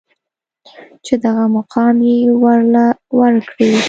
چې دغه مقام يې ورله ورکړې.